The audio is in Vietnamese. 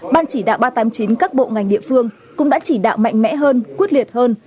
ban chỉ đạo ba trăm tám mươi chín các bộ ngành địa phương cũng đã chỉ đạo mạnh mẽ hơn quyết liệt hơn